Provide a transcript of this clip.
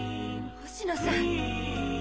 星野さん。